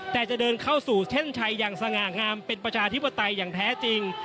แต่จะเดินเข้าสู่เส้นชัยอย่างสง่างามเป็นประชาธิปไตยอย่างแท้จริง